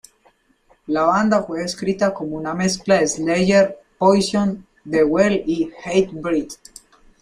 La banda fue descrita como una mezcla de Slayer, Poison The Well y Hatebreed.